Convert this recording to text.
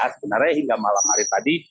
sebenarnya hingga malam hari tadi